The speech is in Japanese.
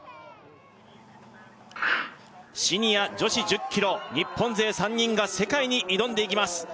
シニア女子１０ｋｍ日本勢３人が世界に挑んでいきます